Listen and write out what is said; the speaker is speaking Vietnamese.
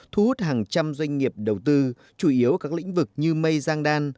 thu hút hàng trăm doanh nghiệp đầu tư chủ yếu các lĩnh vực như mây giang đan